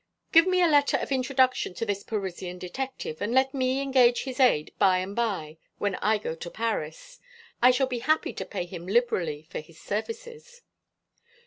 "Give me a letter of introduction to this Parisian detective, and let me engage his aid by and by, when I go to Paris. I shall be happy to pay him liberally for his services."